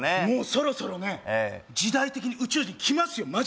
もうそろそろね時代的に宇宙人来ますよ